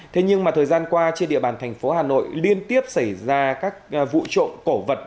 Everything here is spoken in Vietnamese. thế nhưng mà thời gian qua trên địa bàn thành phố hà nội liên tiếp xảy ra các vụ trộm cổ vật